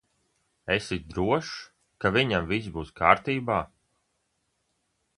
Esi drošs, ka viņam viss būs kārtībā?